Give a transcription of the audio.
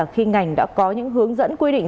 khi ngành đã có những hướng dẫn quy định